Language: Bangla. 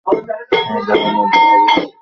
হ্যাঁ, দারুণ উদ্ভাবন।